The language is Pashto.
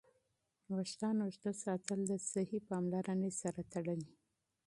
ویښتان اوږد ساتل د صحي پاملرنې سره تړلي.